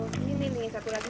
ini nih satu lagi